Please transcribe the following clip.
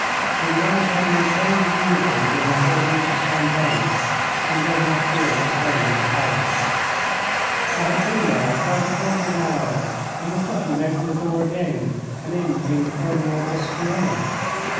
When one has had no change of uniform during a whole winter's campaign, one does not feel at home in a palace. I had been there about a quarter of an hour when the footman opened the door again, and in came Colonel Despienne.